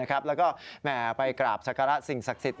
และก็ไปกราบศักราชสิ่งศักยศิริทร์